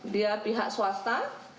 dia pihak swasta